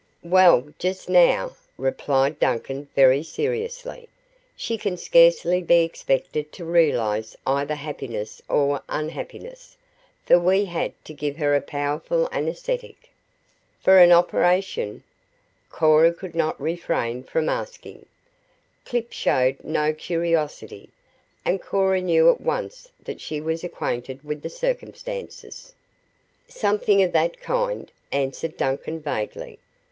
"Well, just now," replied Duncan very seriously, "she can scarcely be expected to realize either happiness or unhappiness, for we had to give her a powerful anesthetic." "For an operation?" Cora could not refrain from asking. Clip showed no curiosity, and Cora knew at once that she was acquainted with the circumstances. "Something of that kind," answered Duncan vaguely.